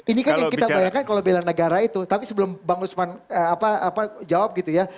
ini kan yang kita bayangkan kalau bela negara itu tapi sebelum bang usman jawab gitu ya